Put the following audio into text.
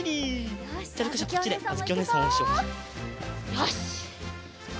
よし！